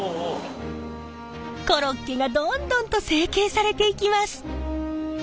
コロッケがどんどんと成型されていきます。